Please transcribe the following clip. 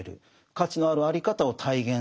価値のあるあり方を体現する。